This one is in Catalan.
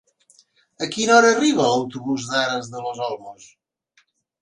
A quina hora arriba l'autobús d'Aras de los Olmos?